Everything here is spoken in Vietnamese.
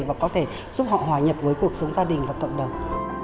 và có thể giúp họ hòa nhập với cuộc sống gia đình và cộng đồng